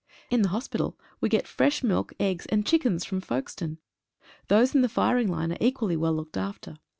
In the hospital we get fresh milk, eggs, and chickens from Folkestone. Those in the firing line are equally well looked after.